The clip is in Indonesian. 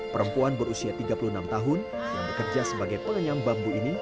perempuan berusia tiga puluh enam tahun yang bekerja sebagai pengenyam bambu ini